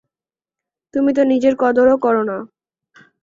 তুমি তো নিজের কদরও করো না।